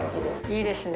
いいですね。